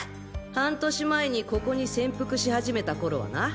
半年前にここに潜伏し始めた頃はな。